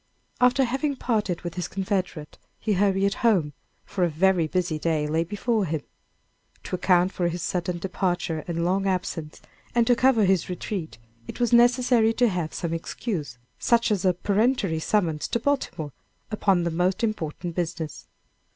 After having parted with his confederate, he hurried home, for a very busy day lay before him. To account for his sudden departure, and long absence, and to cover his retreat, it was necessary to have some excuse, such as a peremptory summons to Baltimore upon the most important business.